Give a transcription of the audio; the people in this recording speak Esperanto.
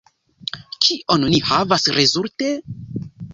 Kion ni havas rezulte?